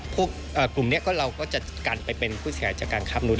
กลุ่มนี้ก็เราก็จะกันไปเป็นผู้เสียหายจากการค้ามนุษย์